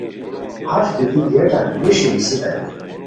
ہݰ بیتی گیٹار نیݰی نیسیتانی